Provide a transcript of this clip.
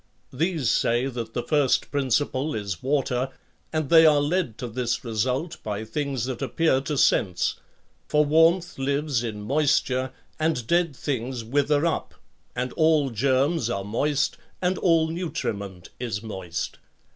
These say that the first principle is water, and they are led to this result by things that appear to sense; for warmth lives in moisture and dead things wither up and all germs are moist and all nutriment is moist.